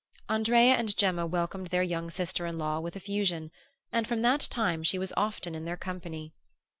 Andrea and Gemma welcomed their young sister in law with effusion, and from that time she was often in their company.